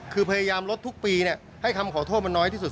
คือพยายามลดทุกปีให้คำขอโทษมันน้อยที่สุด